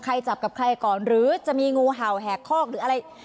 จับกับใครก่อนหรือจะมีงูเห่าแหกคอกหรืออะไร